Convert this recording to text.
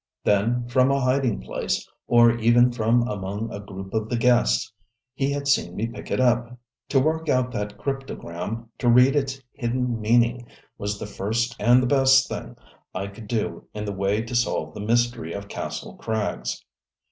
Then from a hiding place, or even from among a group of the guests, he had seen me pick it up. To work out that cryptogram, to read its hidden meaning was the first and the best thing I could do in the way to solve the mystery of Kastle Krags.